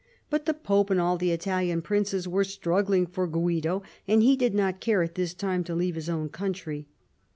But the Pope and all the Italian princes were struggling for Guido, and he did not care at this time to leave his own country.